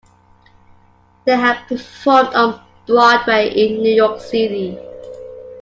They have performed on Broadway in New York City.